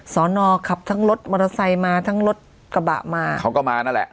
สอนอขับทั้งรถมอเตอร์ไซค์มาทั้งรถกระบะมาเขาก็มานั่นแหละ